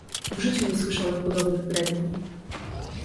"W życiu nie słyszałem podobnych bredni!"